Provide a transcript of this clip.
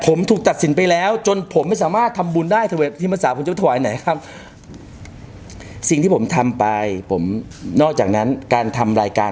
ผมถูกตัดสินไปแล้วจนผมไม่สามารถทำบุญได้ตั้งแต่เป็นคนอยู่ถ่ายคำที่ผมทำไปผมนอกจากนั้นการทำรายการ